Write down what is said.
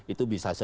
itu bisa sedulur